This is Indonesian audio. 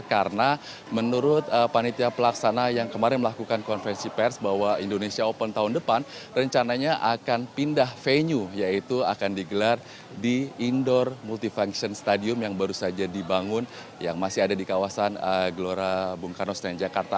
karena menurut panitia pelaksana yang kemarin melakukan konferensi pers bahwa indonesia open tahun depan rencananya akan pindah venue yaitu akan digelar di indoor multifunction stadium yang baru saja dibangun yang masih ada di kawasan gelora bung karno senayan jakarta